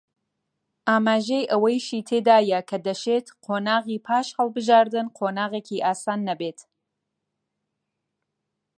ئاماژەی ئەوەیشی تێدایە کە دەشێت قۆناغی پاش هەڵبژاردن قۆناغێکی ئاسان نەبێت